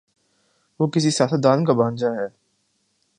وہ کسی سیاست دان کا بھانجا ہے۔